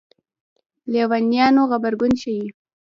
لېونیانو غبرګون ښيي.